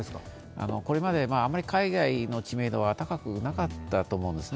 これまであんまり海外の知名度は高くなかったと思うんですね。